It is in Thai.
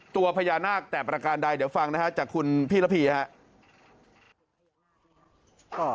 ตัวพญานาคแต่ประการใดเดี๋ยวฟังนะฮะจากคุณพี่ระพีครับ